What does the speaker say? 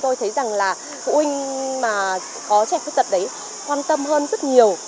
tôi thấy rằng là phụ huynh mà có trẻ khuyết tật đấy quan tâm hơn rất nhiều